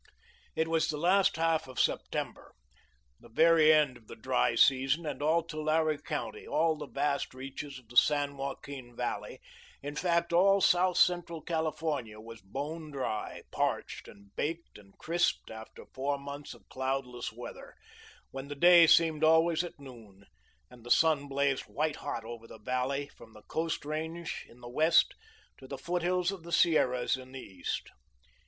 It was the last half of September, the very end of the dry season, and all Tulare County, all the vast reaches of the San Joaquin Valley in fact all South Central California, was bone dry, parched, and baked and crisped after four months of cloudless weather, when the day seemed always at noon, and the sun blazed white hot over the valley from the Coast Range in the west to the foothills of the Sierras in the east.